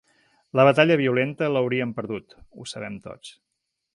La batalla violenta l'hauríem perdut, ho sabem tots.